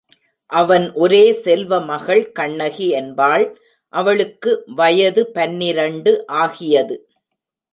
அவன் ஒரே செல்வமகள் கண்ணகி என்பாள் அவளுக்கு வயது பன்னிரண்டு ஆகியது.